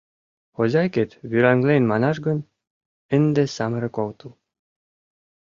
Хозяйкет вӱраҥлен манаш гын, ынде самырык отыл.